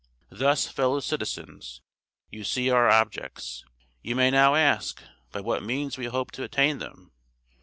"Thus, fellow citizens, you see our objects. You may now ask, by what means we hope to attain them.